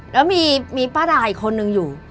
แล้วมีป้าดาอีกคนนึงอยู่